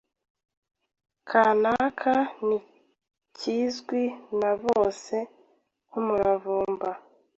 kanaka ni kizwi na bose nk’umuravumba